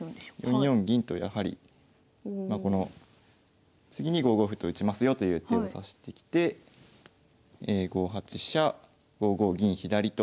４四銀とやはり次に５五歩と打ちますよという手を指してきて５八飛車５五銀左と。